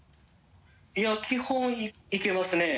いや基本いけますね。